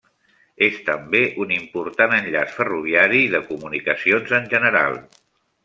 És també un important enllaç ferroviari i de comunicacions en general.